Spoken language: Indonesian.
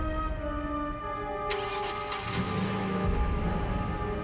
namarieben pilihan tapi tergantung